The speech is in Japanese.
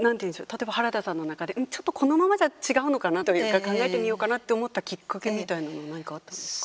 例えば原田さんの中でちょっとこのままじゃ違うのかなとか考えてみようかなって思ったきっかけみたいなものは何かあったんですか。